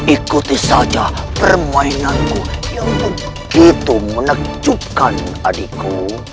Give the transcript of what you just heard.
ikuti saja permainanku yang begitu menakjubkan adikku